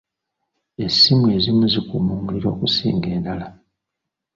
Essimu ezimu zikuuma omuliro okusinga endala.